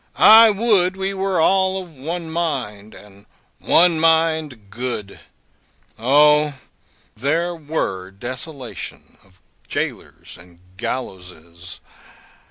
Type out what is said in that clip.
I would we were all of one mind, and one mind good. O, there were desolation of gaolers and gallowses!